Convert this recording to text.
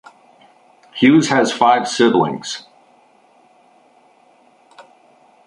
Hughes has five siblings.